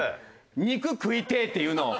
「肉食いてえ」っていうのを。